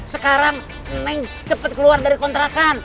sekarang neng cepat keluar dari kontrakan